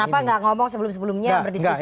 kenapa tidak ngomong sebelum sebelumnya berdiskusi